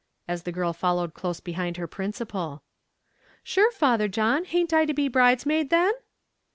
as the girl followed close behind her principal. "Shure, Father John, a'nt I to be bridesmaid then?"